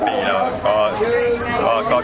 เงียบว่าหรอครับ